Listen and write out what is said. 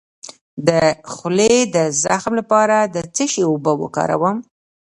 د خولې د زخم لپاره د څه شي اوبه وکاروم؟